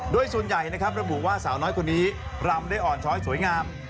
โดยส่วนใหญ่นะครับระบุว่าสาวน้อยคนนี้รำได้อ่อนช้อยสวยงาม